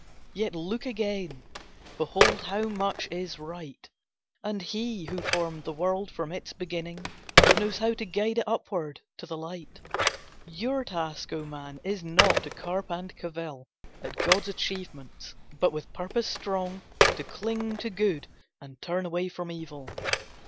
Yet look again—behold how much is right! And He who formed the world from its beginning Knows how to guide it upward to the light. Your task, O man, is not to carp and cavil At God's achievements, but with purpose strong To cling to good, and turn away from evil.